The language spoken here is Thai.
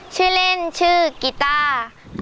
ชื่อเล่นชื่อกีต้า